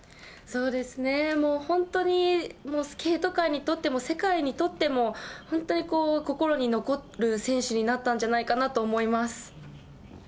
そうですね、もう本当に、スケート界にとっても、世界にとっても、本当に心に残る選手になったんじゃないかなと思います。